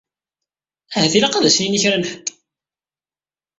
Ahat ilaq ad s-nini i kra n ḥedd.